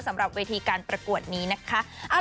สำหรับเวทีการประกวดนี้นะคะ